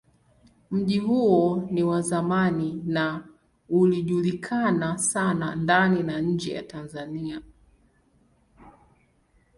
Mji huo ni wa zamani na ilijulikana sana ndani na nje ya Tanzania.